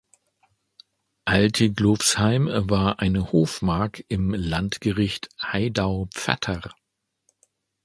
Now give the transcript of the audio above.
Alteglofsheim war eine Hofmark im Landgericht Haidau-Pfatter.